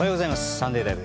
「サンデーＬＩＶＥ！！」